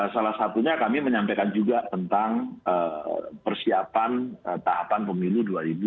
salah satunya kami menyampaikan juga tentang persiapan tahapan pemilu dua ribu dua puluh